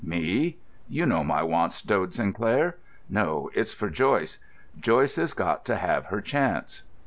Me? You know my wants, Dode Sinclair. No, it's for Joyce. _Joyce's got to have her chance.